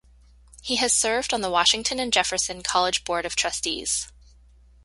He has served on the Washington and Jefferson College Board of Trustees.